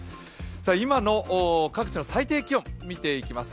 今の各地の最低気温見ていきます。